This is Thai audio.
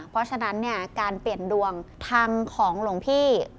เพราะฉะนั้นเนี่ยการเปลี่ยนดวงทางของหลวงพี่